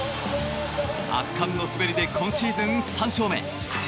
圧巻の滑りで今シーズン３勝目。